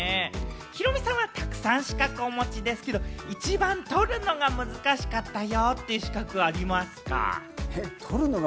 ヒロミさんはたくさん資格をお持ちですけれども、一番取るのが難しかったよという資格ありますか？